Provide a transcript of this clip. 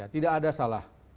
tidak ada salah